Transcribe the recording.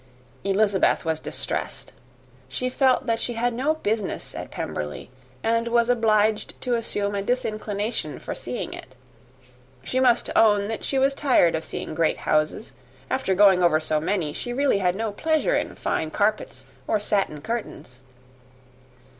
Elizabeth was distressed. She felt that she had no business at Pemberley, and was obliged to assume a disinclination for seeing it. She must own that she was tired of great houses: after going over so many, she really had no pleasure in fine carpets or satin curtains.